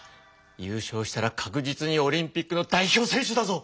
ゆうしょうしたら確実にオリンピックの代表選手だぞ！